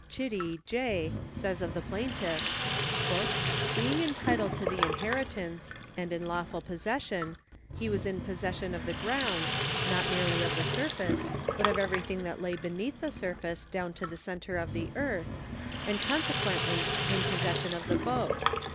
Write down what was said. Chitty, J., says of the plaintiff :" Being entitled to the inheritance ... and in lawful possession, he was in possession of the ground, not merely of the surface, but of everything that lay beneath the surface down to the centre of the earth, and consequently in possession of the boat.